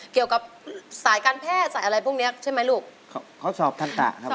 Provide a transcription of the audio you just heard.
เกี่ยวกับสายการแพทย์สายอะไรพวกเนี้ยใช่ไหมลูกเขาสอบทันตะครับ